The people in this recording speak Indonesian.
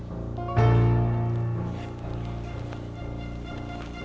aku udah tiacep nya